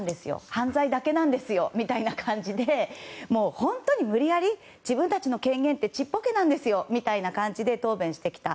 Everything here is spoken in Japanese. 犯罪だけなんですよみたいな感じで本当に無理やり自分たちの権限ってちっぽけなんですよみたいな感じで答弁してきた。